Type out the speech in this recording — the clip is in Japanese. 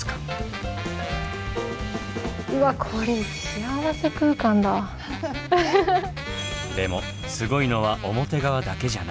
うわっでもすごいのは表側だけじゃない。